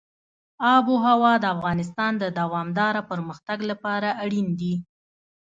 آب وهوا د افغانستان د دوامداره پرمختګ لپاره اړین دي.